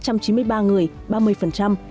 cách ly tại nhà